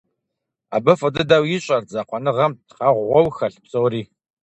Абы фӀы дыдэу ищӀэрт закъуэныгъэм «тхъэгъуэу» хэлъ псори.